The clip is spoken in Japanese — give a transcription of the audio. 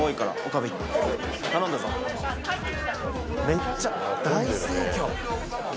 めっちゃ大盛況。